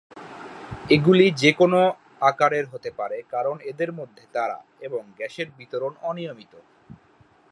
এগুলি যে কোনও আকারের হতে পারে, কারণ এদের মধ্যে তারা এবং গ্যাসের বিতরণ অনিয়মিত।